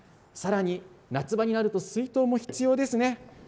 さらに夏場になると水筒も必要ですね。